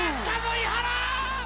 井原！